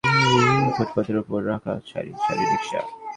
একটু সামনে সড়কটির ডান পাশের ফুটপাতের ওপর রাখা হয়েছে সারি সারি রিকশা।